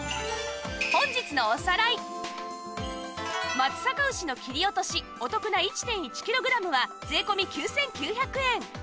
松阪牛の切り落としお得な １．１ キログラムは税込９９００円